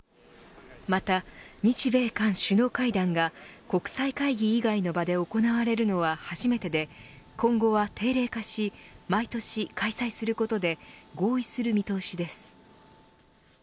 また、日米韓首脳会談が国際会議以外の場で行われるのは初めてで今後は定例化し毎年開催することで合意する見通しです。